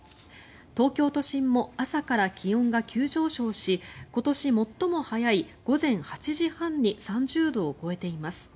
東京都心も朝から気温が急上昇し今年最も早い午前８時半に３０度を超えています。